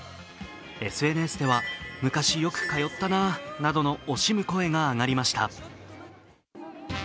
ＳＮＳでは、昔よく通ったななどの惜しむ声が上がりました。